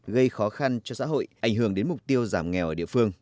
gây khó khăn cho xã hội ảnh hưởng đến mục tiêu giảm nghèo ở địa phương